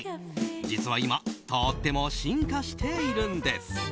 実は今とっても進化しているんです。